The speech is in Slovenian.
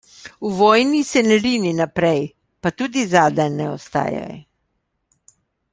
V vojni se ne rini naprej, pa tudi zadaj ne ostajaj.